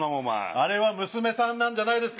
あれは娘さんなんじゃないですか？